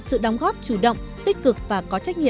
và chúng tôi cũng được tiếp tục theo dõi